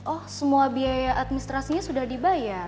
oh semua biaya administrasinya sudah dibayar